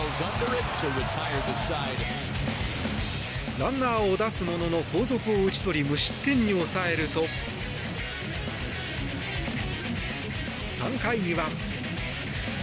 ランナーを出すものの後続を打ち取り無失点に抑えると３回には。